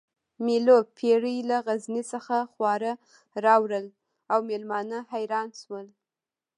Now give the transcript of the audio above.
مېلو پېري له غزني څخه خواړه راوړل او مېلمانه حیران شول